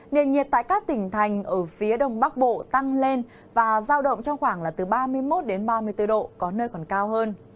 nền nhiệt tại các tỉnh thành ở phía đông bắc bộ tăng lên và giao động trong khoảng là từ ba mươi một ba mươi bốn độ có nơi còn cao hơn